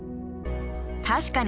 確かに！